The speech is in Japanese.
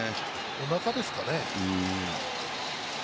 おなかですかね。